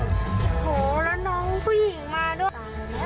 โอ้โหแล้วน้องผู้หญิงมาด้วย